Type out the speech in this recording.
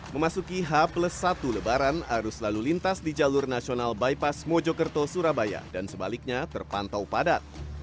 memasuki h plus satu lebaran arus lalu lintas di jalur nasional bypass mojokerto surabaya dan sebaliknya terpantau padat